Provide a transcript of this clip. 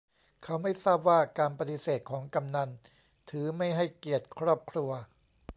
เขาไม่ทราบว่าการปฏิเสธของกำนัล ถือไม่ให้เกียรติครอบครัว